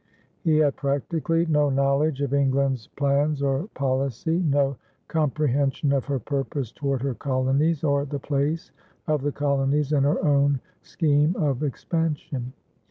He had practically no knowledge of England's plans or policy, no comprehension of her purpose toward her colonies or the place of the colonies in her own scheme of expansion.